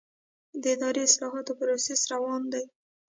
د اداري اصلاحاتو پروسه روانه ده؟